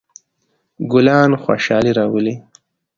ګلان خوشحالي راولي.